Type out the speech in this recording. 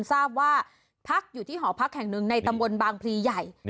ทราบว่าพักอยู่ที่หอพักแห่งหนึ่งในตำบลบางพลีใหญ่